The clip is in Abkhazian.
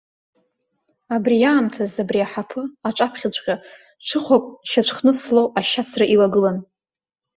Абри аамҭаз, абри аҳаԥы аҿаԥхьаҵәҟьа, ҽыхәак шьацәхнысло ашьацра илагылан.